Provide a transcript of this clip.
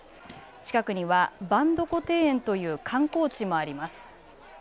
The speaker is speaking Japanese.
近くにはばんどこていえんという観光地もあります。